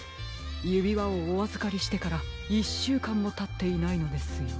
ゆびわをおあずかりしてから１しゅうかんもたっていないのですよ。